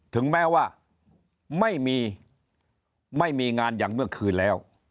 ถึงแม้ว่าไม่มีไม่มีงานอย่างเมื่อคืนแล้ว